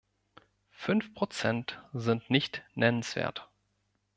Fünf Prozent sind nicht nennenswert!